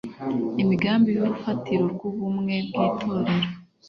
imigambi y urufatiro rw ubumwe bw itorero